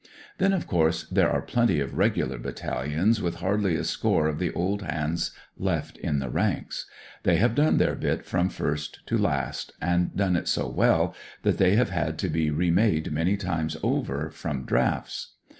"Then, of course, there are plenty of Regular battalions with hardly a score of the old hands left in the ranks. They have done theiir bit from first to last, and done it so well that they have had to be remade many times over from drafts.